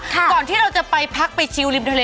ก่อนที่เราจะไปพักไปชิลริมทะเล